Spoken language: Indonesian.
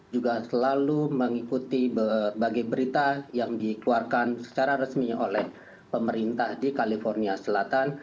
juga selalu mengikuti berbagai berita yang dikeluarkan secara resmi oleh pemerintah di california selatan